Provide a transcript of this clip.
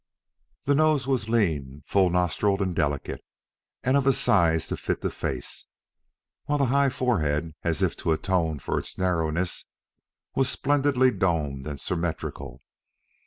The nose was lean, full nostrilled, and delicate, and of a size to fit the face; while the high forehead, as if to atone for its narrowness, was splendidly domed and symmetrical.